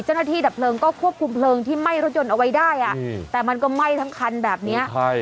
ดับเพลิงก็ควบคุมเพลิงที่ไหม้รถยนต์เอาไว้ได้อ่ะแต่มันก็ไหม้ทั้งคันแบบนี้ใช่